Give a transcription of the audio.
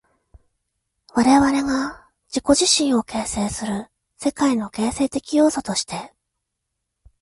我々が自己自身を形成する世界の形成的要素として、